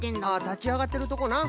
たちあがってるとこな。